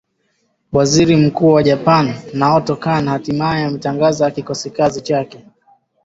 waziri mkuu wa japan naoto kan hatimaye ametangaza kikosi kazi chake